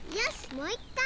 もういっかい！